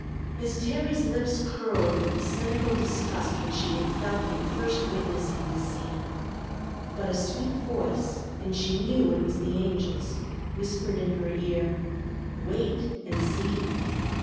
Miss Terry's lips curled with the cynical disgust which she had felt when first witnessing this scene. But a sweet voice and she knew it was the Angel's whispered in her ear, "Wait and see!"